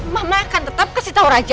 mama akan tetap kasih tahu raja